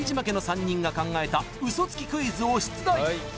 家の３人が考えたウソつきクイズを出題